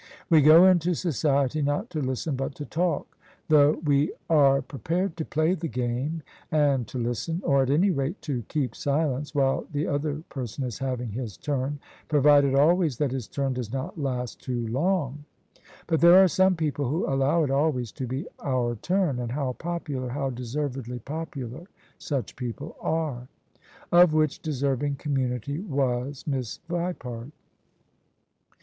We go into society not to listen but to talk: though we are pre OF ISABEL CARNABY pared to play the game and to listen — or at any rate to keep silence — ^while the other person is having his turn; provided always that his turn does not last too long. But there are some people who allow it always to be our turn: and how popular — ^how deservedly popular such people are! Of which deserving community was Miss Vipart.